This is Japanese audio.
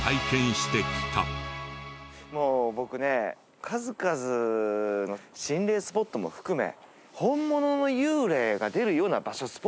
もう僕ね数々の心霊スポットも含め。